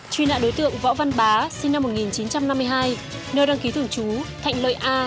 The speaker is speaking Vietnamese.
truy nạn đối tượng võ văn bá sinh năm một nghìn chín trăm năm mươi hai nơi đăng ký thường trú thạnh lợi a